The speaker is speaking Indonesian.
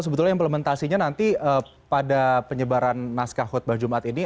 sebetulnya implementasinya nanti pada penyebaran naskah khutbah jumat ini